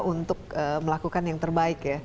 untuk melakukan yang terbaik ya